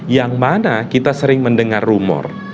yang mana kita sering mendengar rumor